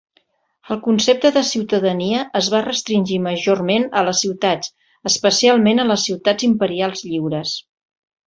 El concepte de ciutadania es va restringir majorment a les ciutats, especialment a les ciutats imperials lliures.